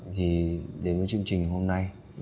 thì đến với chương trình hôm nay